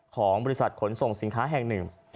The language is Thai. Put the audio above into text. ของบริษัทขนส่งสินค้าแห่งหนึ่ง